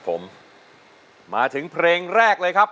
เปลี่ยนเพลงเก่งของคุณและข้ามผิดได้๑คำ